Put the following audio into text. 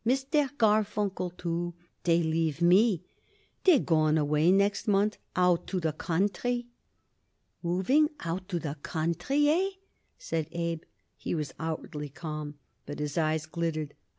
Mister Garfunkel, too. They leave me. They goin' away next month, out to the country." "Moving out to the country, hey?" said Abe. He was outwardly calm, but his eyes glittered.